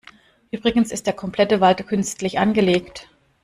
Übrigens ist der komplette Wald künstlich angelegt.